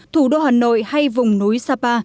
thủ đô hà nội hay vùng núi sapa